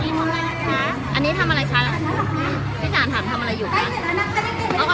กำลังทำอะไรคะเจ้านี่คะ